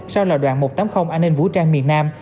sau là đoạn một trăm tám mươi an ninh vũ trang miền nam